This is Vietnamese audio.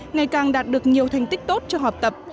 ngày càng đạt được nhiều thành tích tốt cho học tập